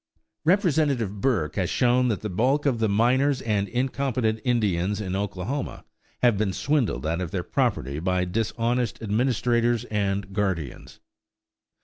Representative Burke has shown that the bulk of the minors and incompetent Indians in Oklahoma have been swindled out of their property by dishonest administrators and guardians.